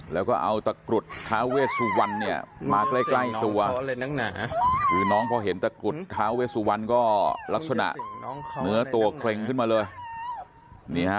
แล้วก็เอาตะกรุดท้าเวสวรรณเนี่ยมาใกล้ตัวคือน้องพอเห็นตะกรุดท้าเวสุวรรณก็ลักษณะเนื้อตัวเคร็งขึ้นมาเลย